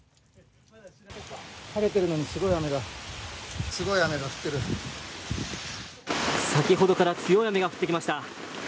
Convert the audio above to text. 晴れてるのに、すごい雨が、先ほどから強い雨が降ってきました。